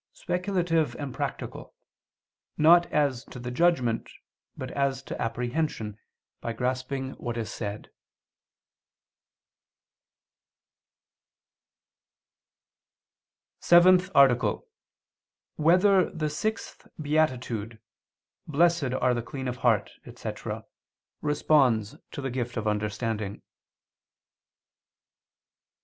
speculative and practical, not as to the judgment, but as to apprehension, by grasping what is said. _______________________ SEVENTH ARTICLE [II II, Q. 8, Art. 7] Whether the Sixth Beatitude, "Blessed Are the Clean of Heart," etc., Responds to the Gift of Understanding?